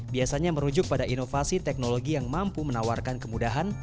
biasanya merujuk pada inovasi teknologi yang mampu menawarkan kemudahan